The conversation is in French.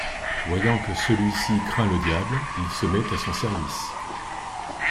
Voyant que celui-ci craint le diable, il se met à son service.